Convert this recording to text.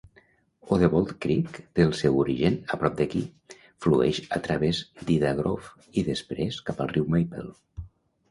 Odebolt Creek té el seu origen a prop d'aquí, flueix a través d'Ida Grove i després, cap al riu Maple.